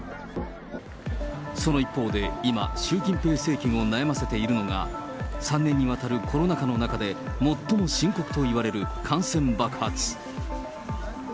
その一方で今、習近平政権を悩ませているのが、３年にわたるコロナ禍の中で、最も深刻といわれる感染爆発。